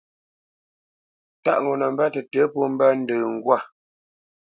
Tâʼ ŋo nə mbə́ tətə̌ pó mbə́ ndə ŋgwâ.